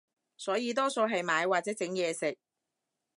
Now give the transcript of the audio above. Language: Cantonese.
所以多數係買或者整嘢食